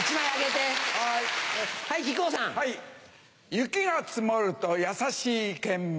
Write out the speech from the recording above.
雪が積もると優しい県民。